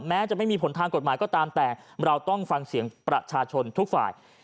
แม้จะไม่มีผลทางกฎหมายก็ตามแต่เราต้องฟังเสียงประชาชนทุกฝ่าย